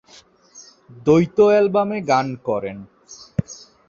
দ্বৈত অ্যালবামে গান করেন।